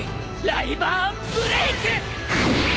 ライバーンブレイク！